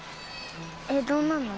えっどうなるの？